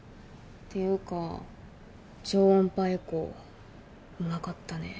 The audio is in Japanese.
っていうか超音波エコーうまかったね。